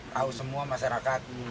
tahu semua masyarakat